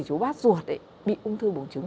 chú bác ruột bị ung thư bùng trứng